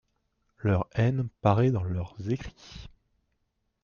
Leur haine paraît dans leurs écrits.